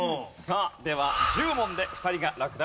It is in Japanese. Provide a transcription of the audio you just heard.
では１０問で２人が落第。